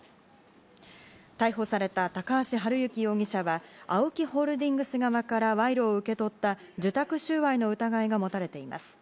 逮捕された高橋治之容疑者は、ＡＯＫＩホールディングス側から賄賂を受け取った受託収賄の疑いがもたれています。